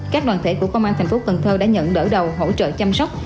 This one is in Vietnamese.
các đoàn thể của công an thành phố cần thơ đã nhận đỡ đầu hỗ trợ chăm sóc